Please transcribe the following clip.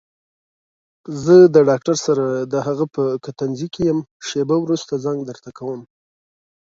زه د ډاکټر سره دهغه په کتنځي کې يم شېبه وروسته زنګ درته کوم.